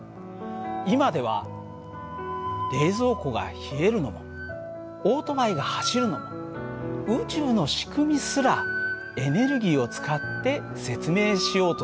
今では冷蔵庫が冷えるのもオートバイが走るのも宇宙の仕組みすらエネルギーを使って説明しようとする。